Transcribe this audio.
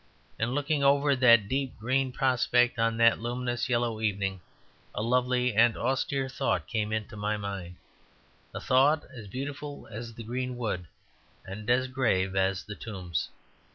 And looking over that deep green prospect on that luminous yellow evening, a lovely and austere thought came into my mind, a thought as beautiful as the green wood and as grave as the tombs.